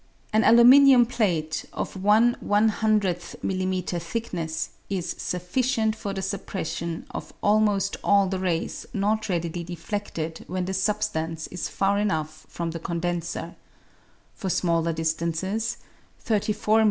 An aluminium plate of ,},„ m.m. thickness is sufficient for the suppression of almost all the rays not readily defleded when the substance is far enough from the condenser ; for smaller distances (34 m.m.